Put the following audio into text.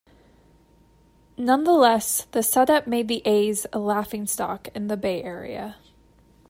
Nonetheless, the setup made the A's a laughingstock in the Bay Area.